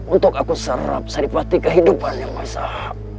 untuk aku serap seripati kehidupannya maesah